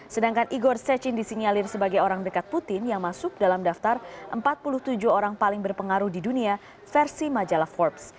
sedangkan igor secin disinyalir sebagai orang dekat putin yang masuk dalam daftar empat puluh tujuh orang paling berpengaruh di dunia versi majalah forbes